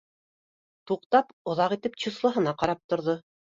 Туҡтап, оҙаҡ итеп числоһына ҡарап торҙо